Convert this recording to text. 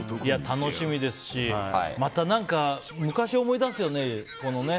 楽しみですしまた何か、昔を思い出すよね。